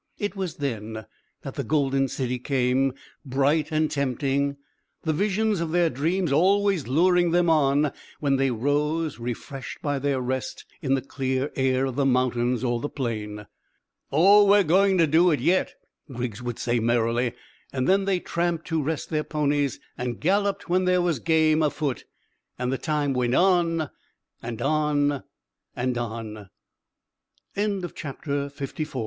It was then that the golden city came, bright and tempting, the visions of their dreams always luring them on when they rose refreshed by their rest in the clear air of the mountain or the plain. "Oh, we're going to do it yet," Griggs would say merrily; and then they tramped to rest their ponies, and galloped when there was game afoot, and the time went on and on and on. CHAPTER FIFTY FIVE.